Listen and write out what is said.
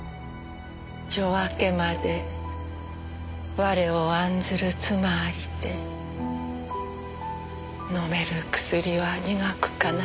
「夜明けまでわれを案ずる妻ありて飲める薬は苦く悲しき」